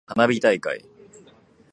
花火大会。